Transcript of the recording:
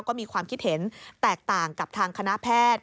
ก็มีความคิดเห็นแตกต่างกับทางคณะแพทย์